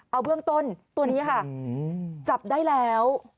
เอาเบื้องต้นตัวนี้ค่ะจับได้แล้ว